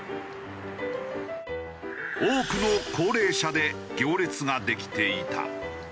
多くの高齢者で行列ができていた。